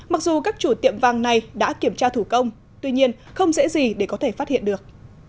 mặc dù các chủ tiệm vàng này đã kiểm tra thủ công tuy nhiên không dễ gì để có thể phát hiện được